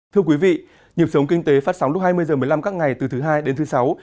thưa quý vị nhịp sống kinh tế phát sóng lúc hai mươi h một mươi năm các ngày từ thứ hai đến thứ sáu